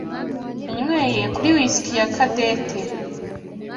yanyweye kuri whisky ya Cadette.